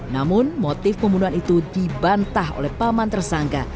namun motif pembunuhan itu dibantah oleh paman tersangka